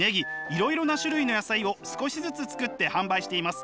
いろいろな種類の野菜を少しずつ作って販売しています。